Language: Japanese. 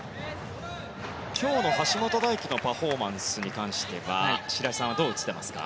今日の橋本大輝のパフォーマンスに関しては白井さんはどう映っていますか？